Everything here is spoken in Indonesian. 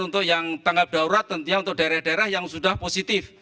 untuk yang tanggap daurat tentunya untuk daerah daerah yang sudah positif